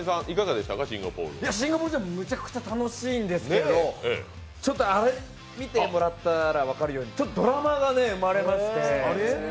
シンガポール、めちゃくちゃ楽しいんですけれどもちょっと、見てもらったら分かるようにドラマが生まれまして。